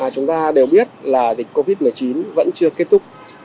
chúng ta đều biết là dịch covid một mươi chín vẫn chưa kết thúc